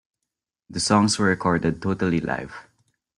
The songs were recorded totally live.